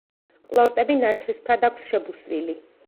ყლორტები ნაცრისფრად აქვს შებუსვილი.